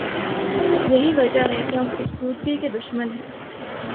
یہی وجہ ہے کہ ہم خوبصورتی کے دشمن ہیں۔